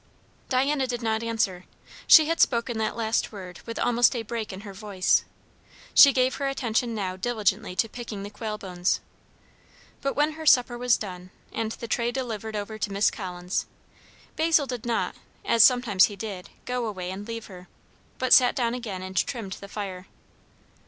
Diana did not answer. She had spoken that last word with almost a break in her voice; she gave her attention now diligently to picking the quail bones. But when her supper was done, and the tray delivered over to Miss Collins, Basil did not, as sometimes he did, go away and leave her, but sat down again and trimmed the fire.